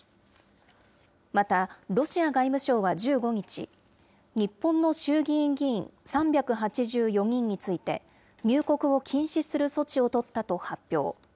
また、ロシア外務省は１５日、日本の衆議院議員３８４人について、入国を禁止する措置を取ったと発表。